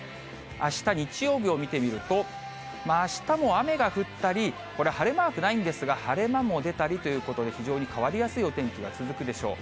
あした日曜日を見てみると、あしたも雨が降ったり、これ、晴れマークないんですが、晴れ間も出たりということで、非常に変わりやすいお天気が続くでしょう。